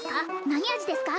何味ですか？